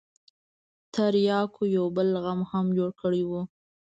ترياکو يو بل غم هم جوړ کړى و.